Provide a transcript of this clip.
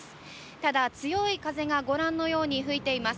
ただ強い風がご覧のように吹いています。